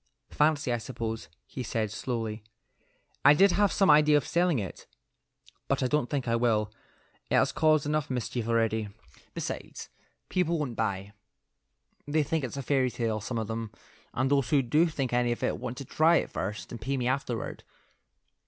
"Fancy, I suppose," he said, slowly. "I did have some idea of selling it, but I don't think I will. It has caused enough mischief already. Besides, people won't buy. They think it's a fairy tale; some of them, and those who do think anything of it want to try it first and pay me afterward."